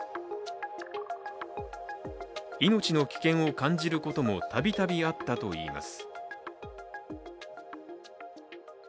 命の危険を感じることもたびたびあったといいます。